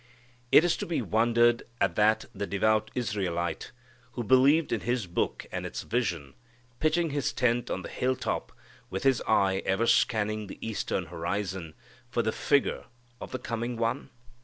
Is it to be wondered at that the devout Israelite, who believed in his book and its vision, pitched his tent on the hilltop, with his eye ever scanning the eastern horizon, for the figure of the coming One?